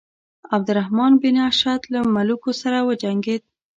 عبدالرحمن بن اشعث له ملوکو سره وجنګېد.